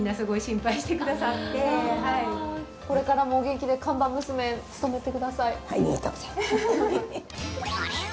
これからもお元気で看板娘を務めてください。